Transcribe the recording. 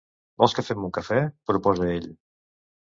Vols que fem un cafè? —proposa ell.